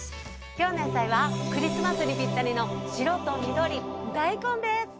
今日の野菜はクリスマスにピッタリの白と緑大根です。